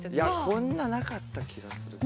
こんななかった気がするけどな。